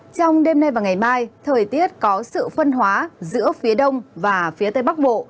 trong đêm nay và ngày mai thời tiết có sự phân hóa giữa phía đông và phía tây bắc bộ